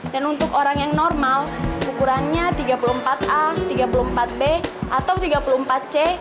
dan untuk orang yang normal ukurannya tiga puluh empat a tiga puluh empat b atau tiga puluh empat c